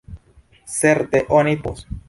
Certe oni povos.